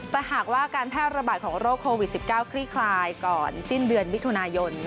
แต่หากว่าการแพร่ระบาดของโรคโควิด๑๙คลี่คลายก่อนสิ้นเดือนมิถุนายน